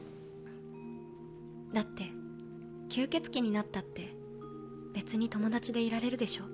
だって吸血鬼になったって別に友達でいられるでしょ。